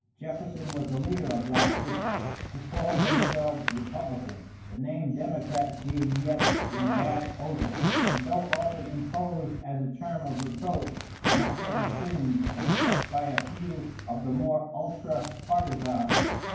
Jefferson was the leader of the opposition, who called themselves republicans, the name democrat being yet in bad odor, and though often imposed as a term of reproach, not yet assumed except by a few of the more ultra partisans.